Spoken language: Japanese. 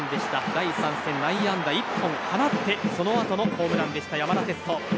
第３戦、内野安打１本を放ってそのあとのホームランでした山田哲人。